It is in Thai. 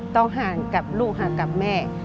ต้องห่างกับลูกห่างกับแม่